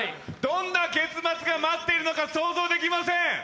どんな結末が待ってるのか想像できません！